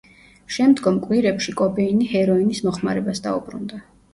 შემდგომ კვირებში კობეინი ჰეროინის მოხმარებას დაუბრუნდა.